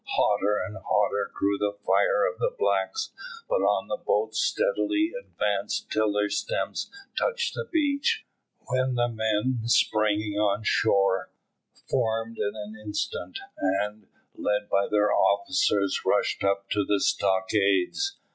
Hotter and hotter grew the fire of the blacks, but on the boats steadily advanced till their stems touched the beach, when the men, springing on shore, formed in an instant, and, led by their officers, rushed up to the stockades.